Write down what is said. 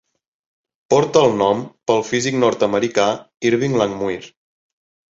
Porta el nom pel físic nord-americà Irving Langmuir.